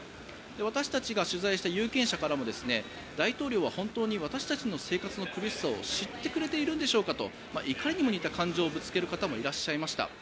私たちが取材した有権者からも大統領は本当に私たちの生活の苦しさを知ってくれているんでしょうかと怒りにも似た感情をぶつける方もいました。